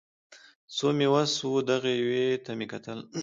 څو مې وس و دغې یوې ته مې کتل